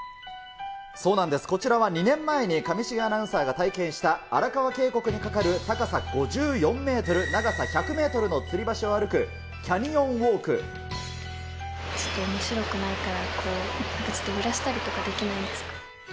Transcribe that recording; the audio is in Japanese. そうなんです、こちらは２年前に上重アナウンサーが体験した、荒川渓谷に架かる高さ５４メートル、長さ１００メートルのつり橋ちょっとおもしろくないから、こう、なんかちょっと揺らしたりとかできないんですか。